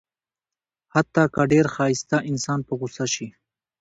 حتی که ډېر ښایسته انسان په غوسه شي.